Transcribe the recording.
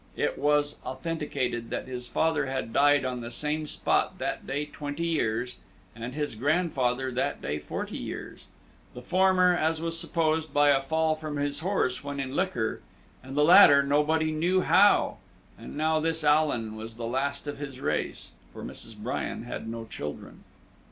It was authenticated that his father had died on the same spot that day twenty years, and his grandfather that day forty years, the former, as was supposed, by a fall from his horse when in liquor, and the latter, nobody knew how; and now this Allan was the last of his race, for Mrs. Bryan had no children.